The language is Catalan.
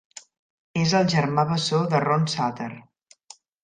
És el germà bessó de Ron Sutter.